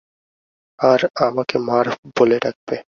আর, আমাকে মার্ভ বলে ডাকবে।